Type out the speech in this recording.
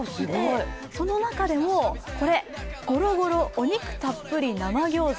その中でもこれ、ごろごろお肉たっぷり生餃子。